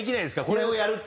これをやるって。